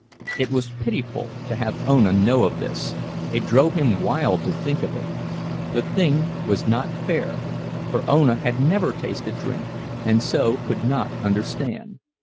It was pitiful to have Ona know of this—it drove him wild to think of it; the thing was not fair, for Ona had never tasted drink, and so could not understand.